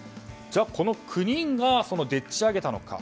この９人がでっち上げたのか。